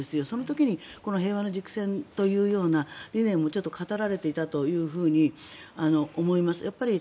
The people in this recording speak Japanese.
その時にこの平和の軸線というような理念を語られていたというように思います。